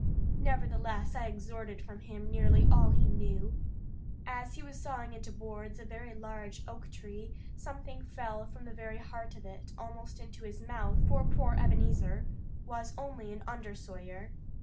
Nevertheless I extorted from him nearly all he knew. As he was sawing into boards a very large oak tree, something fell from the very heart of it almost into his mouth, for poor Ebenezer was only an undersawyer.